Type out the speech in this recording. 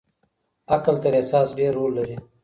عقل تر احساس ډېر رول لري.